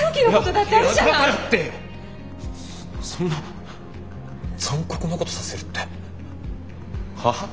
だからってそんな残酷なことさせるっては？